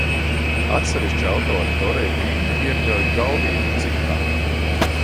Atsevišķi autori toreju ģinti iekļauj galvīvju dzimtā.